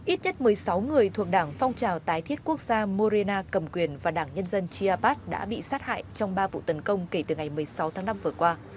ít nhất một mươi sáu người thuộc đảng phong trào tái thiết quốc gia morena cầm quyền và đảng nhân dân chia apat đã bị sát hại trong ba vụ tấn công kể từ ngày một mươi sáu tháng năm vừa qua